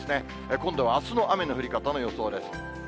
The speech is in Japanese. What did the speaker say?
今度はあすの雨の降り方の予想です。